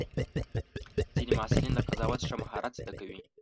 ځینې محصلین د قضاوت ښه مهارت زده کوي.